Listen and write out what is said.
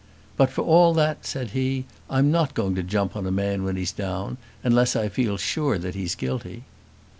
"But for all that," said he, "I'm not going to jump on a man when he's down, unless I feel sure that he's guilty."